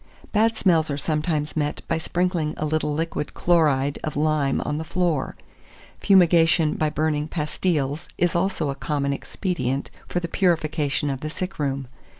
2422. Bad smells are sometimes met by sprinkling a little liquid chloride of lime on the floor; fumigation by burning pastiles is also a common expedient for the purification of the sick room.